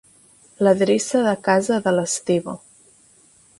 L'adreça de casa de l'Esteve.